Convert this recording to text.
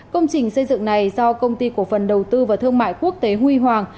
công trình xây dựng này do công ty cổ phần đầu tư và thương mại quốc tế huy hoàng